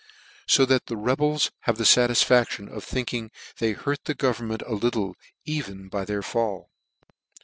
So that the rebels have the fatisfadtion of thinking they hurt the government a little even by their fall.